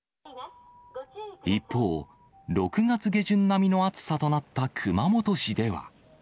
一方、６月下旬並みの暑さとなった熊本市では。